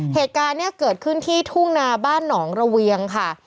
เหตุการณ์เนี่ยเกิดขึ้นที่ทุ่งนาบ้านหนองระเวียงค่ะ